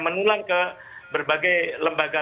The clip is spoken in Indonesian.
menulang ke berbagai lembaga